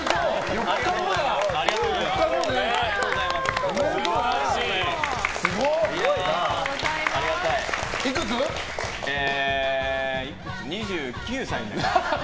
えっと２９歳になります。